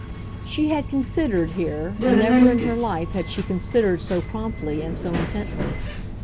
She had considered here, and never in her life had she considered so promptly and so intently.